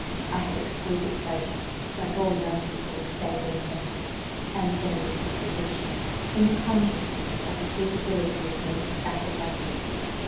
I had exquisite pleasure, like all young people of sanguine temperament and generous disposition, in the consciousness of the capability of making sacrifices.